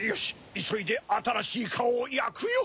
いそいであたらしいカオをやくよ！